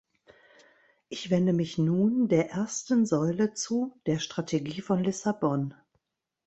Ich wende mich nun der ersten Säule zu, der Strategie von Lissabon.